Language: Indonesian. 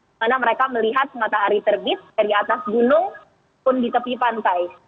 di mana mereka melihat matahari terbit dari atas gunung pun di tepi pantai